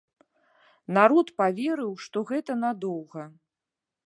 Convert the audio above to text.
Народ паверыў, што гэта надоўга.